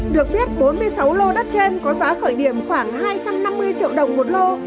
được biết bốn mươi sáu lô đất trên có giá khởi điểm khoảng hai trăm năm mươi triệu đồng một lô